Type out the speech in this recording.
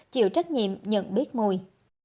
chịu trách nhiệm nhận biết mùi